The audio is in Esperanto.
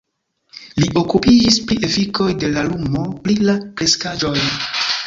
Li okupiĝis pri efikoj de la lumo pri la kreskaĵoj.